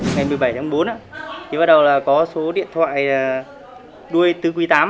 ngày một mươi bảy tháng bốn thì bắt đầu là có số điện thoại đuôi tứ quý tám